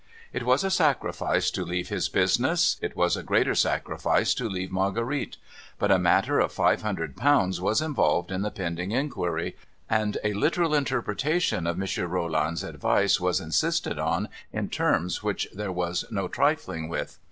It was a sacrifice to leave his business ; it was a greater sacrifice to leave Marguerite. But a matter of five hundred pounds was involved in the pending inquiry ; and a literal interpretation of M. Rolland's advice was insisted on in terms which there was no trifling with.